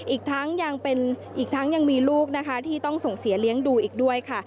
อีกทั้งยังมีลูกนะคะที่ต้องส่งเสียเลี้ยงดูอีกด้วยค่ะ